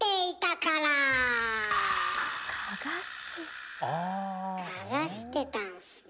かがしてたんすね。